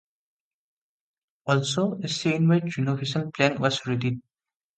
Also, a chain-wide renovation plan was readied.